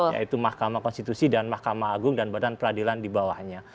yaitu mahkamah konstitusi dan mahkamah agung dan badan peradilan di bawahnya